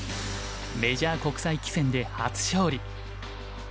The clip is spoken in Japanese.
メジャー国際棋戦で初勝利。